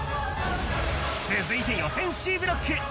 続いて予選Ｃブロック。